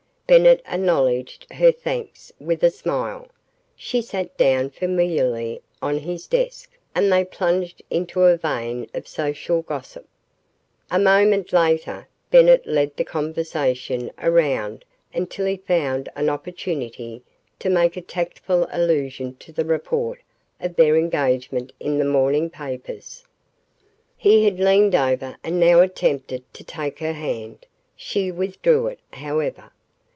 Bennett acknowledged her thanks with a smile, she sat down familiarly on his desk, and they plunged into a vein of social gossip. A moment later, Bennett led the conversation around until he found an opportunity to make a tactful allusion to the report of their engagement in the morning papers. He had leaned over and now attempted to take her hand. She withdrew it, however.